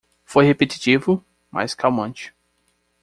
Foi repetitivo? mas calmante.